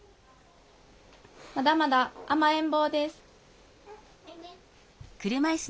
まだまだ甘えん坊ですおいで。